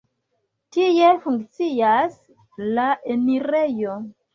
Tie funkcias la enirejo.